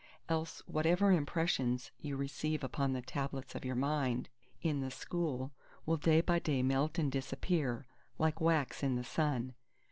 Else whatever impressions you receive upon the tablets of your mind in the School will day by day melt and disappear, like wax in the sun.